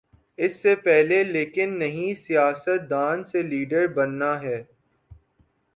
اس سے پہلے لیکن انہیں سیاست دان سے لیڈر بننا ہے۔